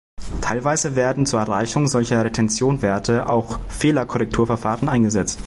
Teilweise werden zur Erreichung solcher Retention-Werte auch Fehlerkorrekturverfahren eingesetzt.